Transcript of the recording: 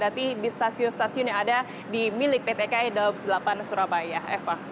berarti di stasiun stasiun yang ada di milik pt ki daops delapan surabaya